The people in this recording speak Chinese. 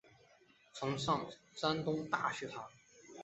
曾上山东大学堂。